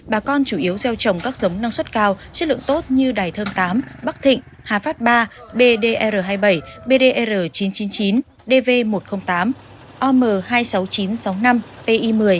bà con chủ yếu gieo trồng các giống năng suất cao chất lượng tốt như đài thơm tám bắc thịnh hà phát ba bdr hai mươi bảy bdr chín trăm chín mươi chín dv một trăm linh tám om hai mươi sáu nghìn chín trăm sáu mươi năm pi một mươi